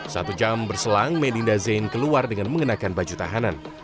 satu jam berselang medinda zain keluar dengan mengenakan baju tahanan